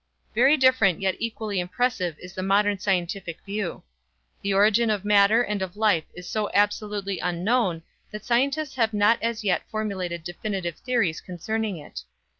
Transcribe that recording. Very different yet equally impressive is the modern scientific view. The origin of matter and of life is so absolutely unknown that scientists have not as yet formulated definite theories concerning it.